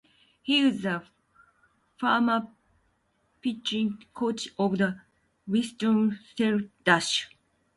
He is the former pitching coach of the Winston-Salem Dash.